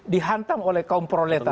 dihantam oleh kaum proletar